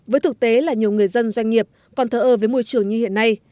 với thực tế là nhiều người dân doanh nghiệp còn thờ ơ với môi trường như hiện nay